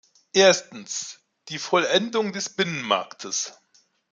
Erstens, die Vollendung des Binnenmarktes.